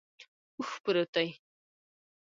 اوښ پروت دے